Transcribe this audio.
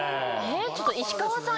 ちょっと石川さん。